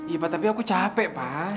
iya pak tapi aku capek pak